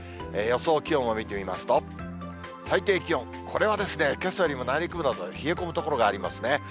予想気温を見てみますと、最低気温、これは、けさよりも内陸部などは冷え込む所がありますね。